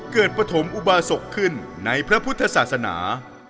ปฐมอุบาศกขึ้นในพระพุทธศาสนา